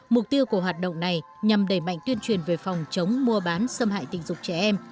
mục tiêu của hoạt động này nhằm đẩy mạnh tuyên truyền về phòng chống mua bán xâm hại tình dục trẻ em